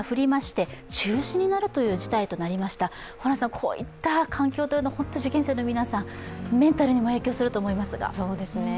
こういった環境は本当に受験生に皆さん、メンタルにも影響すると思いますが。